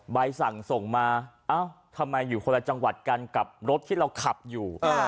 ใบสั่งส่งมาเอ้าทำไมอยู่คนละจังหวัดกันกับรถที่เราขับอยู่